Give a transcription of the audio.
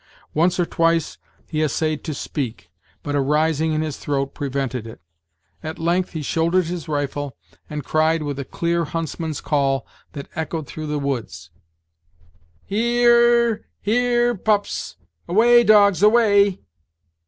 Once or twice he essayed to speak, but a rising in his throat prevented it. At length he shouldered his rifle, and cried with a clear huntsman's call that echoed through the woods: "He e e re, he e e re, pups away, dogs, away!